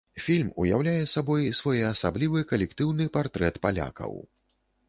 Фільм уяўляе сабой своеасаблівы калектыўны партрэт палякаў.